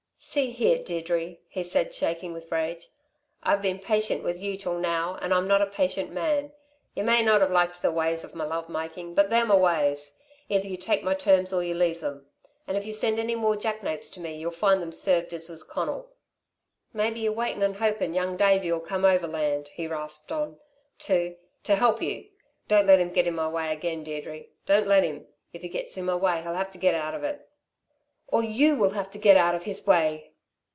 "See here, Deirdre," he said, shaking with rage, "I've been patient with you till now, and I'm not a patient man. Y' may not 've liked the ways of my love makin', but they're my ways. Either you take my terms or you leave them. And if you send any more jackanapes to me y'll find them served as was Conal. "Maybe y're waitin' and hopin' young Davey'll come overland," he rasped on, "to to help you. Don't let him get in my way again, Deirdre. Don't let him. If he gets in my way, he'll have to get out of it." "Or you will have to get out of his way!"